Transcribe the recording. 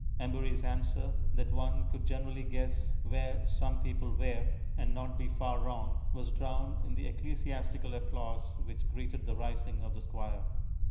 Embury's answer, that one could generally guess where some people were, and not be far wrong, was drowned in the ecclesiastical applause which greeted the rising of the Squire.